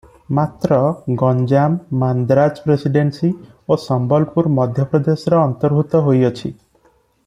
ମାତ୍ର ଗଞ୍ଜାମ ମାନ୍ଦ୍ରାଜ ପ୍ରେସିଡେନ୍ସି ଓ ସମ୍ବଲପୁର ମଧ୍ୟପ୍ରଦେଶର ଅନ୍ତର୍ଭୂତ ହୋଇଅଛି ।